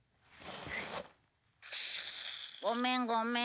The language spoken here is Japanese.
ごめんごめん。